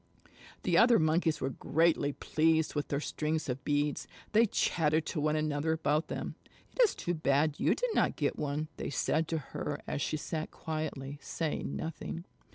The other Monkeys were greatly pleased with their strings of beads. They chattered to one another about them. "It is too bad you did not get one," they said to her as she sat quietly, saying nothing.